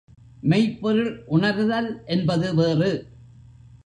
மெய்ப்பொருள் உணர்தல் என்பது வேறு.